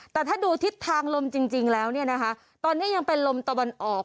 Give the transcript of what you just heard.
แต่ถ้าดูทิศทางลมจริงแล้วเนี่ยนะคะตอนนี้ยังเป็นลมตะวันออก